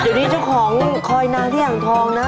อยู่ดิเจ้าของคอยนางที่อ่างทองนะ